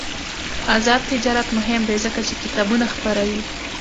آزاد تجارت مهم دی ځکه چې کتابونه خپروي.